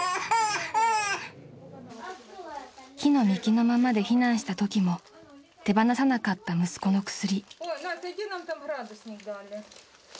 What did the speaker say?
［着の身着のままで避難したときも手放さなかった息子の薬］